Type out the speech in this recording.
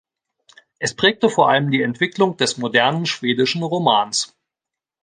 Es prägte vor allem die Entwicklung des modernen schwedischen Romans.